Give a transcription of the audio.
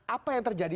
apa yang terjadi